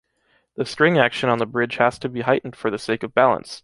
The string action on the bridge has to be heightened for the sake of balance.